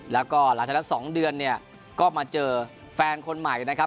แล้วก็หลังจากนั้น๒เดือนเนี่ยก็มาเจอแฟนคนใหม่นะครับ